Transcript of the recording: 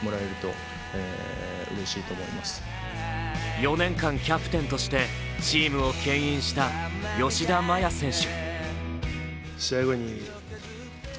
４年間キャプテンとしてチームをけん引した吉田麻也選手。